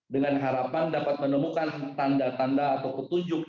dengan harapan dapat menemukan tanda tanda atau petunjuk